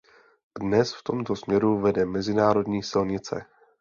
Dnes v tomto směru vede mezinárodní silnice.